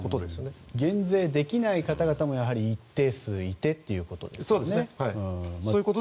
減税できない方々も一定数いるということですね。